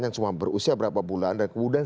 yang cuma berusia berapa bulan dan kemudian